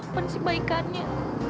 apaan sih baikannya